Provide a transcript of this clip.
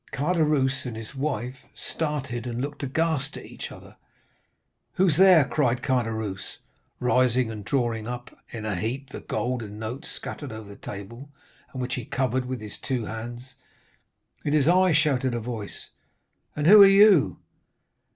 Caderousse and his wife started and looked aghast at each other. "'Who's there?' cried Caderousse, rising, and drawing up in a heap the gold and notes scattered over the table, and which he covered with his two hands. "'It is I,' shouted a voice. "'And who are you?